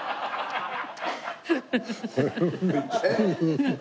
フフフフッ。